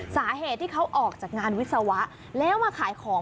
สาเหตุที่เขาออกจากงานวิศวะแล้วมาขายของ